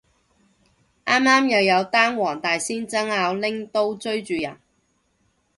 啱啱又有單黃大仙爭拗拎刀追住人